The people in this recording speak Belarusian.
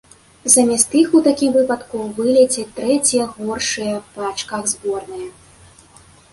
Замест іх у такім выпадку вылецяць трэція горшыя па ачках зборныя.